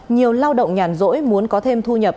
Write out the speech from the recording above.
nhiều lao động nhàn rỗi muốn có thêm thu nhập